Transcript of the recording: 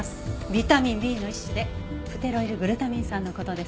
ビタミンＢの一種でプテロイルグルタミン酸の事です。